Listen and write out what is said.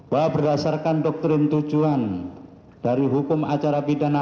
bahwa berdasarkan doktrin tujuan dari hukum acara pidana